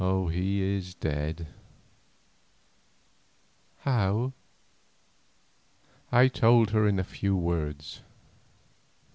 "He is dead." "How?" I told her in few words.